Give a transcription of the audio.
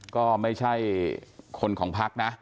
ก็ไม่ใช่คนของพักนะ